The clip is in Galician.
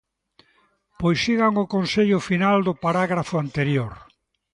Pois sigan o consello final do parágrafo anterior.